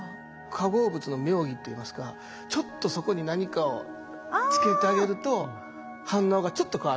化合物の妙技といいますかちょっとそこに何かをつけてあげると反応がちょっと変わるんですよね。